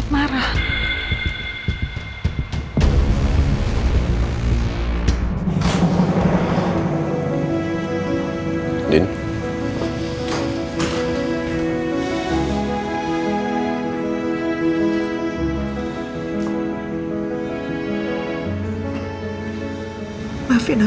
tidak ada hubungannya